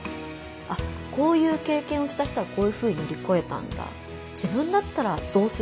あっこういう経験をした人はこういうふうに乗り越えたんだ。